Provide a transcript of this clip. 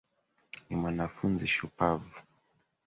Ni mwanafunzi shupavu